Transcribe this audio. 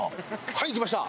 はい来ました。